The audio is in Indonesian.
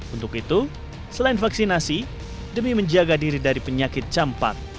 untuk itu selain vaksinasi demi menjaga diri dari penyakit campak